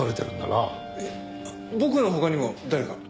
僕の他にも誰か？